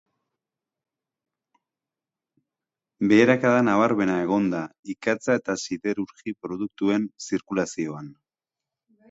Beherakada nabarmena egon da ikatza eta siderurgi produktuen zirkulazioan.